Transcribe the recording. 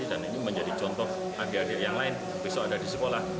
dan ini menjadi contoh adik adik yang lain besok ada di sekolah